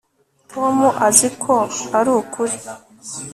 Tom azi ko arukuri